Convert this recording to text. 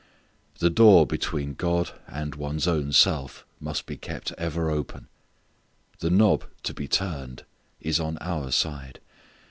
The door between God and one's own self must be kept ever open. The knob to be turned is on our side.